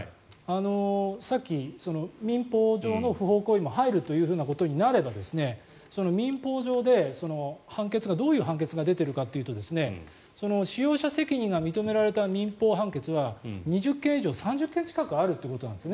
さっき民法上の不法行為も入るということになれば民法上でどういう判決が出ているかというと使用者責任が認められた民法判決は２０件以上、３０件近くあるということなんです